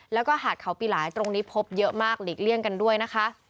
แล้วก็หาดเขาปีหลายตรงนี้พบเยอะมากหลีกเลี่ยงกันด้วยนะคะ